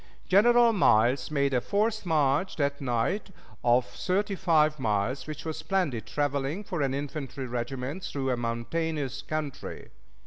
General Miles made a forced march that night of thirty five miles, which was splendid traveling for an infantry regiment through a mountainous country.